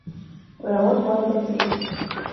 У яго двое дзяцей.